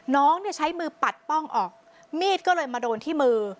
น้องเนี่ยใช้มือปัดป้องออกมีดก็เลยมาโดนที่มือ